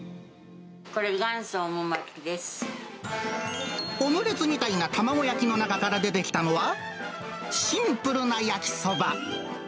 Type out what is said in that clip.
これ、オムレツみたいな卵焼きの中から出てきたのは、シンプルな焼きそば。